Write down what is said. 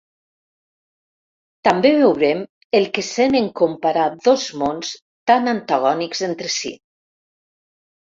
També veurem el que sent en comparar dos mons tan antagònics entre si.